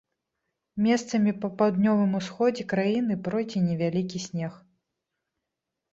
Месцамі па паўднёвым усходзе краіны пройдзе невялікі снег.